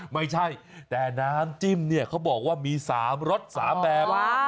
ไม่ใช่แต่น้ำจิ้มเนี่ยเขาบอกว่ามี๓รส๓แบบ